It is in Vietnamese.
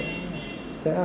đã bị hại